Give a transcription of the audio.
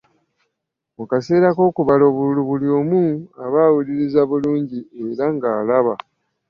Mu kaseera k'okubala obululu buli omu aba awuliriza bulungi era nga alaba.